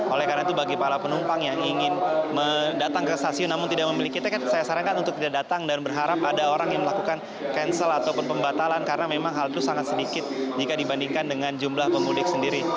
oleh karena itu bagi para penumpang yang ingin datang ke stasiun namun tidak memiliki tiket saya sarankan untuk tidak datang dan berharap ada orang yang melakukan cancel ataupun pembatalan karena memang hal itu sangat sedikit jika dibandingkan dengan jumlah pemudik sendiri